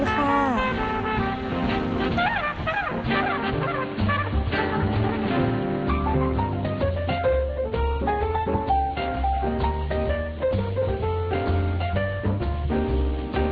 ขอบคุณค่ะ